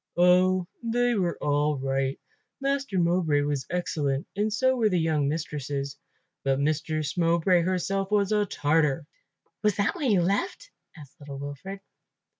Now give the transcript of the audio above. "Oh, they were all right. Master Mowbray was excellent and so were the young mistresses, but Mistress Mowbray herself was a tartar." "Was that why you left?" asked little Wilfred.